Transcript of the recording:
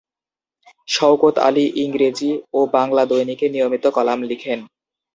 শওকত আলী ইংরেজি ও বাংলা দৈনিকে নিয়মিত কলাম লিখেন।